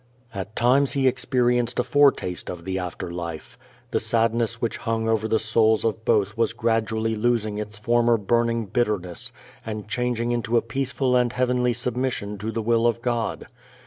At times he experienced a foretaste of the after life. The sadness which hung over the souls of both was graduallv losing its former burning bitterness, and changing into a peaceful and heavenly submission to the will of God.